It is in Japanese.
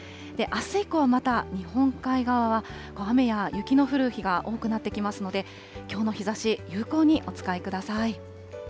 あす以降、また日本海側は雨や雪の降る日が多くなってきますので、きょうの日ざし、有効にお使いください。